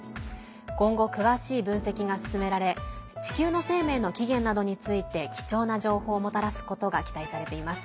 今後、詳しい分析が進められ地球の生命の起源などについて貴重な情報をもたらすことが期待されています。